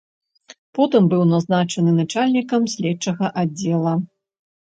Потым быў назначаны начальнікам следчага аддзела.